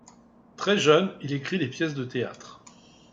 Très jeune il écrit des pièces de théâtre.